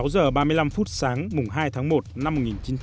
sáu giờ ba mươi năm phút sáng mùng hai tháng một năm một nghìn chín trăm sáu mươi năm